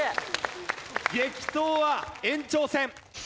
激闘は延長戦。